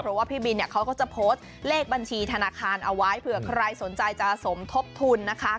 เพราะว่าพี่บินเนี่ยเขาก็จะโพสต์เลขบัญชีธนาคารเอาไว้เผื่อใครสนใจจะสมทบทุนนะคะ